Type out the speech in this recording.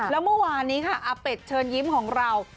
แล้วเมื่อวานนี้ค่ะอาเป็ดเชิญยิ้มของเรา